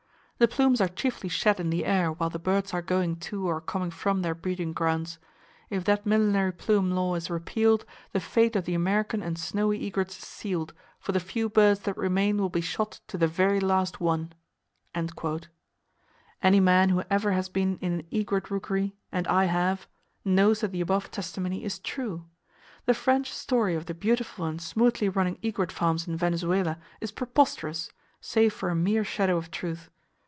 The plumes are chiefly shed in the air while the birds are going to or coming from their breeding grounds. If that millinery plume law is repealed, the fate of the American and snowy egrets is sealed, for the few birds that remain will be shot to the very last one." Any man who ever has been in an egret rookery (and I have) knows that the above testimony is true! The French story of the beautiful and smoothly running egret farms in Venezuela is preposterous, save for a mere shadow of truth.